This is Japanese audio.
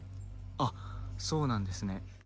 あっそうなんですね。